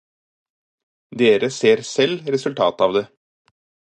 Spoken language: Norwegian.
Dere ser selv resultatet av det.